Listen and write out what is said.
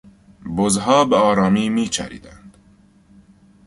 بزها به آرامی میچریدند.